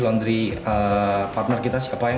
laundry partner kita siapa yang